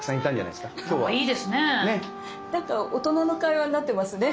なんか大人の会話になってますね。